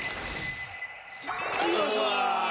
よいしょ！